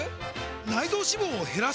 内臓脂肪を減らす！？